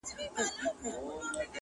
خو پيشو راته په لاره كي مرگى دئ!.